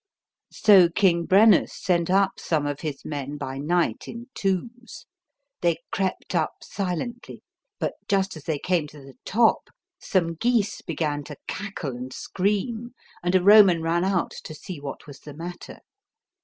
So King Brennus sent up some of his men by night in twos ; they crept up silently, but just as they came to the top, some geese began to cackle and scream, and a Roman ran out, to see what was the matter.